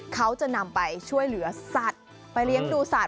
เขาจะนำไปช่วยเหลือสัตว์ไปเลี้ยงดูสัตว